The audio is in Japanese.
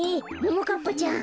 ももかっぱちゃん